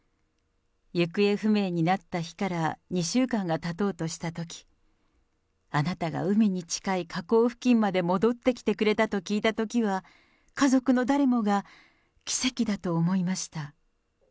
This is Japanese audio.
行方不明になった日から２週間がたとうとしたとき、あなたが海に近い河口付近まで戻ってきてくれたと聞いたときは、家族の誰もが奇跡だと思いました。